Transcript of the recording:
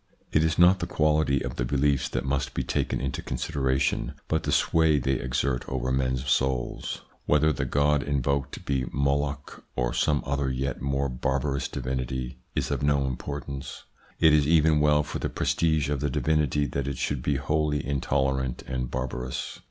It is not the quality of the beliefs that must be taken into consideration, but the sway they exert over men's souls. Whether the god invoked be Moloch, or some other yet more barbarous divinity, is of no importance. It is even well for the prestige of the divinity that it should be wholly intolerant and barbarous.